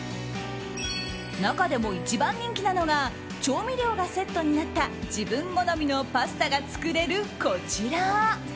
中でも一番人気なのが調味料がセットになった自分好みのパスタが作れるこちら。